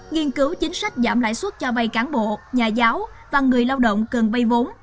nghiên cứu chính sách giảm lãi suất cho vay cán bộ nhà giáo và người lao động cần vay vốn